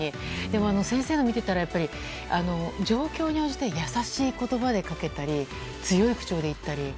でも、先生を見てたら状況に応じて優しい言葉をかけたり強い口調で言ったり。